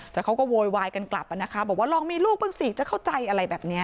แต่เขาก็โวยวายกันกลับนะคะบอกว่าลองมีลูกบ้างสิจะเข้าใจอะไรแบบนี้